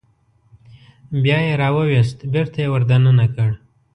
بیا یې راوویست بېرته یې ور دننه کړ.